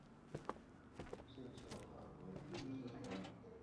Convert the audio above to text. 甚受汉和帝特殊宠爱。